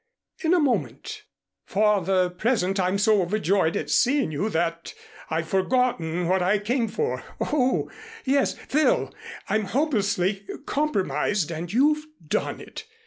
"In a moment. For the present I'm so overjoyed at seeing you, that I've forgotten what I came for. Oh, yes Phil, I'm hopelessly compromised and you've done it.